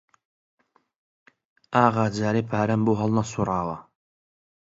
ئاغا جارێ پارەم بۆ هەڵنەسووڕاوە